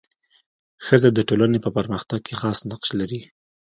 ښځه د ټولني په پرمختګ کي خاص نقش لري.